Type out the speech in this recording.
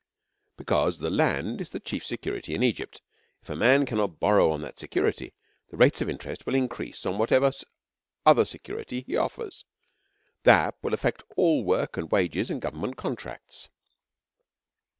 'Because the land is the chief security in Egypt. If a man cannot borrow on that security, the rates of interest will increase on whatever other security he offers. That will affect all work and wages and Government contracts.'